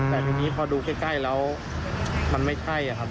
แต่ทีนี้พอดูใกล้แล้วมันไม่ใช่ครับ